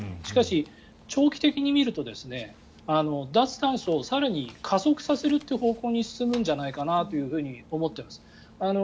しかし、長期的に見ると脱炭素を更に加速させるという方向に進むんじゃないかと思っています。